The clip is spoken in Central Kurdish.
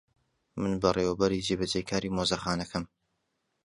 من بەڕێوەبەری جێبەجێکاری مۆزەخانەکەم.